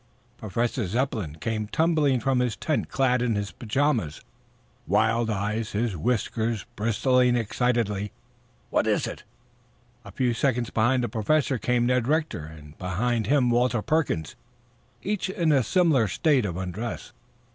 Professor Zepplin came tumbling from his tent clad in his pajamas, wild eyed, his whiskers bristling excitedly. "What is it?" A few seconds behind the Professor came Ned Rector, and behind him Walter Perkins, each in a similar state of undress.